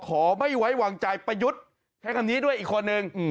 ขอไม่ไว้หวังใจไปยุดแค่คำนี้ด้วยอีกคนหนึ่ง